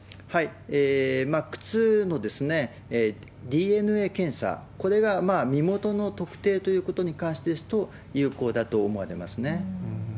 靴のＤＮＡ検査、これが身元の特定ということに関してですと、有効だと思われますね。